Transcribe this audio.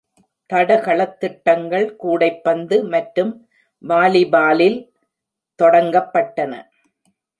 தடகளத் திட்டங்கள் கூடைப்பந்து மற்றும் வாலிபாலில் தொடங்கப்பட்டன.